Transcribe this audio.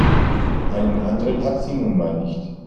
Einen anderen hat sie nun mal nicht.